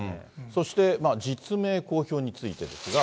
そして、実名公表についてですが。